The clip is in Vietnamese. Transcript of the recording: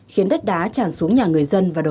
khiến đất đá tràn xuống nhà người